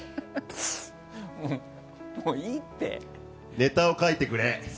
ネタを書いてくれ。